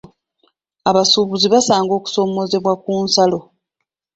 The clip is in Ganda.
Abasuubuzi basanga okusoomoozebwa ku nsalo.